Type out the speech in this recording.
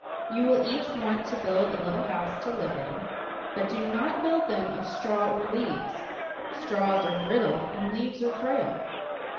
You will each want to build a little house to live in, but do not build them of straw or leaves; straws are brittle and leaves are frail.